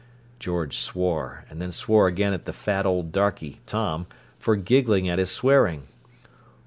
George swore, and then swore again at the fat old darkey, Tom, for giggling at his swearing.